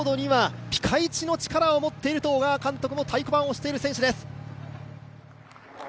ロードにはピカイチの力を持っていると小川監督も太鼓判を押している選手です。